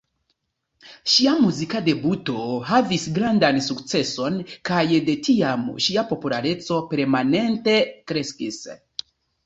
Ŝia muzika debuto havis grandan sukceson kaj de tiam ŝia populareco permanente kreskis.